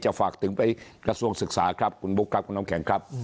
ฝากถึงไปกระทรวงศึกษาครับคุณบุ๊คครับคุณน้ำแข็งครับ